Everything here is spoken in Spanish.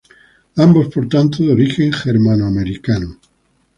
Ambos, por tanto, de origen germano americano.